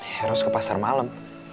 eros ke pasar malam